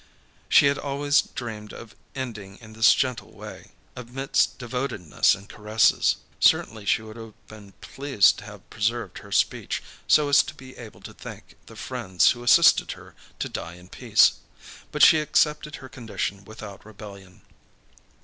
She had always dreamed of ending in this gentle way, amidst devotedness and caresses. Certainly she would have been pleased to have preserved her speech, so as to be able to thank the friends who assisted her to die in peace. But she accepted her condition without rebellion.